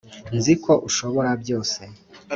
nzi ko ushobora byose